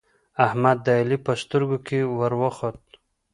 احمد د علی په سترګو کې ور وخوت